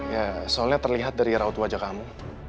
ya soalnya terlihat dari raut wajah kamu